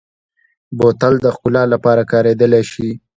بوتل د ښکلا لپاره کارېدلی شي.